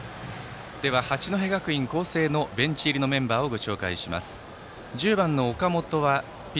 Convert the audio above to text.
八戸学院光星のベンチ入りのメンバーです。